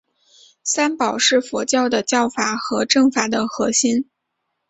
三宝是佛教的教法和证法的核心。